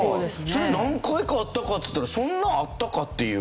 それ何回かあったかっつったらそんなあったかっていう。